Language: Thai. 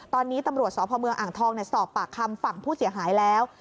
ตอนนี้ตำรวจสพเมืองอ่างทองสอบปากคำฝั่งผู้เสียหายแล้ว